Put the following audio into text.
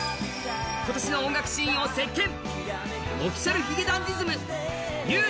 今年の音楽シーンを席巻。